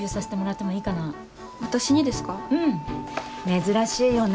珍しいよね